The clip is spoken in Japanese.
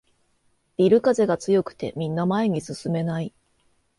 ビル風が強くてみんな前に進めない